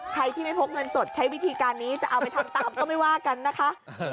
ใครที่ไม่พกเงินสดใช้วิธีการนี้จะเอาไปทำตามก็ไม่ว่ากันนะคะ